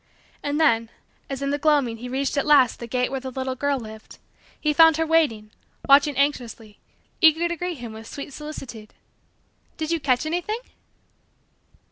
And then, as in the gloaming he reached at last the gate where the little girl lived, he found her waiting watching anxiously eager to greet him with sweet solicitude. "Did you catch anything?"